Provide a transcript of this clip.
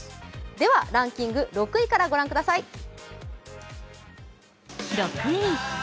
では、ランキング６位から御覧ください。